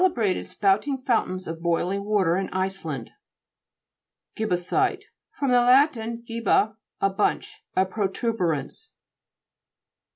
brated spouting fountains of boiling water in Iceland (p. 136). GIBBO'SITY fr. lat. gibba, a bunch. A protuberance.